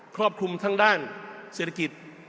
ครอบคลุมทั้งด้านเศรษฐกิจ